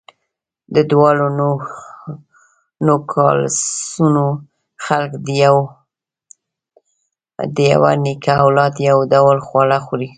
د دواړو نوګالسونو خلک د یوه نیکه اولاد، یو ډول خواړه خوري.